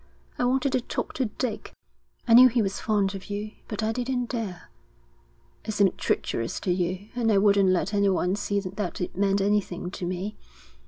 I wanted to talk to Dick I knew he was fond of you but I didn't dare. It seemed treacherous to you, and I wouldn't let anyone see that it meant anything to me.